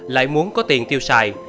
lại muốn có tiền tiêu xài